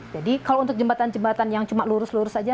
jadi kalau untuk jembatan jembatan yang cuma lurus lurus aja